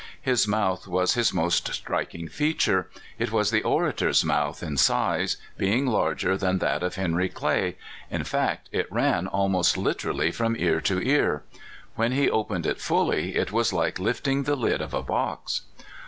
His mouth was his most striking feature. It was the orator's mouth in size, being larger than that of Henry Clay in fact, it ran almost literally from ear to ear. When he opened it fully, it was like lifting the lid of a box.